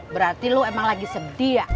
berarti lo emang lagi sedih ya